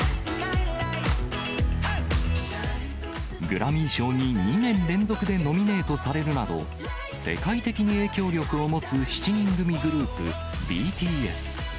グラミー賞に２年連続でノミネートされるなど、世界的に影響力を持つ７人組グループ、ＢＴＳ。